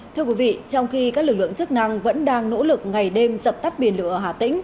thưa quý vị trong khi các lực lượng chức năng vẫn đang nỗ lực ngày đêm dập tắt biển lửa ở hà tĩnh